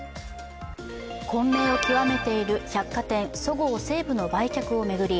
混迷を極めている百貨店そごう・西武の売却を巡り